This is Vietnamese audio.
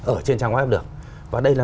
ở trên trang web được và đây là